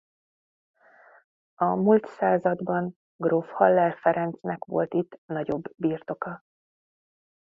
A mult században gróf Haller Ferencznek volt itt nagyobb birtoka.